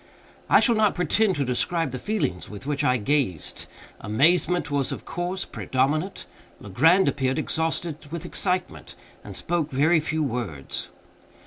I shall not pretend to describe the feelings with which I gazed. Amazement was, of course, predominant. Legrand appeared exhausted with excitement, and spoke very few words.